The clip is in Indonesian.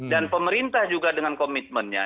dan pemerintah juga dengan komitmennya